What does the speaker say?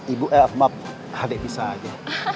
ibu eh maaf adik bisa aja